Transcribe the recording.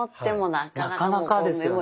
なかなかですよね。